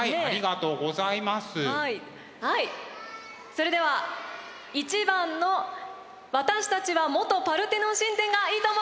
それでは１番の「私たちは元パルテノン神殿」がいいと思う人！